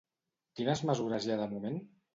Quines mesures hi ha de moment?